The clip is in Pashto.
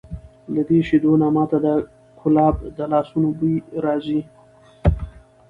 له دې شیدو نه ما ته د کلاب د لاسونو بوی راځي!